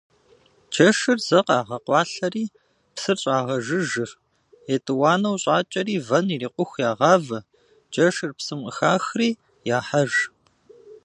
Джэшыр зэ къагъэкъуалъэри псыр щӏагъэжыжыр, етӏуанэу щӏакӏэри вэн ирикъуху ягъавэ, джэшыр псым къыхахри яхьэж.